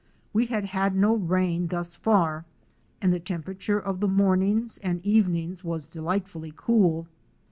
We had had no rain thus far and the temperature of the mornings and evenings was delightfully cool.